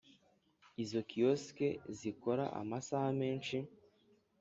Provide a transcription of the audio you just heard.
Izo kiosks zikora amasaha menshi